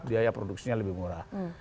biaya produksinya lebih murah